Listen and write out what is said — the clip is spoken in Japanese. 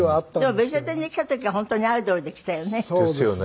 でも『ベストテン』に来た時は本当にアイドルでしたよね。